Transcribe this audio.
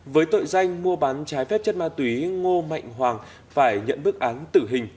với tội danh mua bán trái phép chất ma túy ngô mạnh hoàng phải nhận bức án tử hình